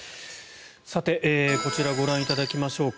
さて、こちらをご覧いただきましょうか。